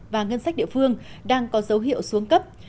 và ngân sách địa phương đang có dấu hiệu xuống cấp